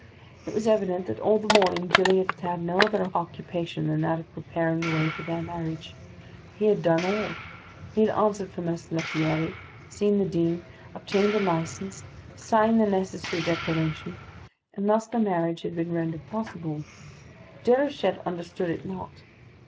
It was evident that all the morning Gilliatt had had no other occupation than that of preparing the way for their marriage: he had done all: he had answered for Mess Lethierry, seen the Dean, obtained the licence, signed the necessary declaration; and thus the marriage had been rendered possible. But Déruchette understood it not.